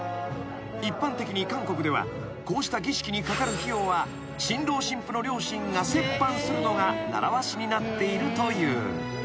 ［一般的に韓国ではこうした儀式に掛かる費用は新郎新婦の両親が折半するのが習わしになっているという］